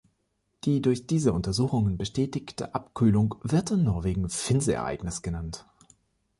Die durch diese Untersuchungen bestätigte Abkühlung wird in Norwegen "Finse-Ereignis" genannt.